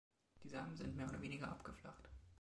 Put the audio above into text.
Die Samen sind mehr oder weniger abgeflacht.